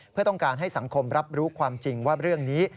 เพื่อต้องการให้สังคมรับรู้ความจริงว่าเรื่องนี้